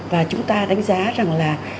và chúng ta đánh giá rằng là